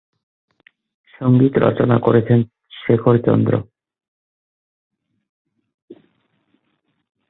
সংগীত রচনা করেছেন শেখর চন্দ্র।